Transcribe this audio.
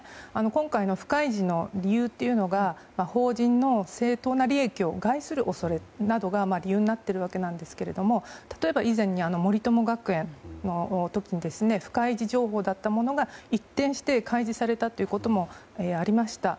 今回は不開示の理由というのが法人の正当な利益を害する恐れなどが、理由になっているわけなんですけど例えば以前に森友学園の時に不開示情報だったものが一転して開示されたということもありました。